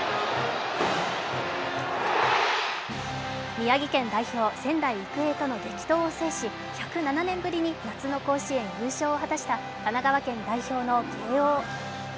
宮城県代表、仙台育英との激闘を制し１０７年ぶりに夏の甲子園優勝を果たした神奈川県代表の慶応。